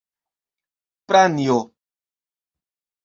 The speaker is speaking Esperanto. Pranjo!